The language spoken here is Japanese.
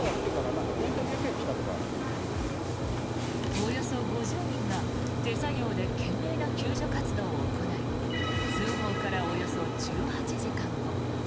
およそ５０人が手作業で懸命な救助活動を行い通報からおよそ１８時間後。